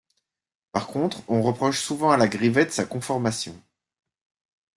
Par contre, on reproche souvent à la grivette sa conformation.